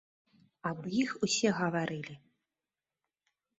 Аб іх усе гаварылі.